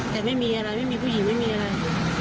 แต่ไม่มีอะไรไม่มีผู้หญิงไม่มีอะไร